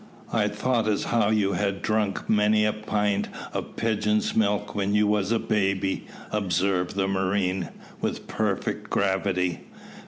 "I thought as how you had drunk many a pint of Pigeon's milk when you was a baby," observed the marine, with perfect gravity.